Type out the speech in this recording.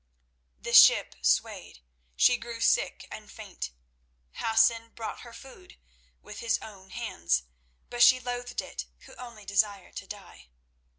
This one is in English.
The ship swayed, she grew sick and faint. Hassan brought her food with his own hands, but she loathed it who only desired to die.